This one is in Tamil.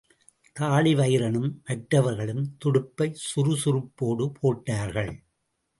தாழிவயிறனும் மற்றவர்களும் துடுப்பைச் சுறுசுறுப்போடு போட்டார்கள்.